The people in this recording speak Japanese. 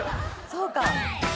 そうか。